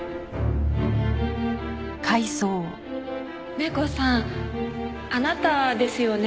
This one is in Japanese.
ネコさんあなたですよね？